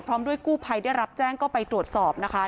พร้อมด้วยกู้ภัยได้รับแจ้งก็ไปตรวจสอบนะคะ